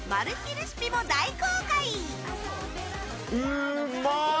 レシピも大公開！